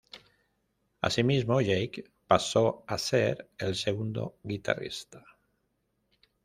Asimismo, Jake pasó a ser el segundo guitarrista.